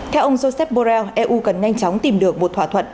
theo ông joseph borrell eu cần nhanh chóng tìm được một thỏa thuận